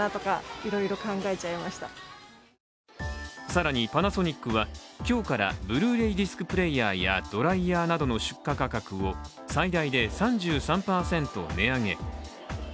更にパナソニックは今日からブルーレイディスクプレーヤーや、ドライヤーなどの出荷価格を最大で３３％値上げ。